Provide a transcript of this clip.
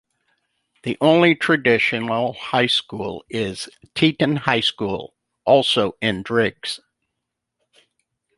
The only traditional high school is Teton High School, also in Driggs.